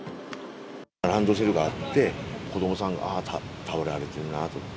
ランドセルがあって、子どもさんがあっ、倒れられてはるなって。